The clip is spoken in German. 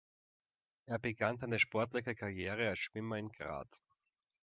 Er begann seine sportliche Karriere als Schwimmer in Graz.